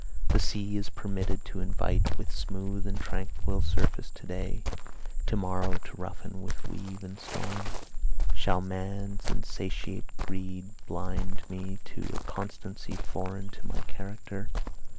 The sea is permitted to invite with smooth and tranquil surface to day, to morrow to roughen with wave and storm. Shall man's insatiate greed bind me to a constancy foreign to my character?